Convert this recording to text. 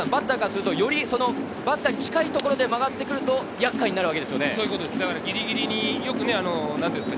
バッターからするとバッターに近いところで曲がってくると厄介になるわけですね。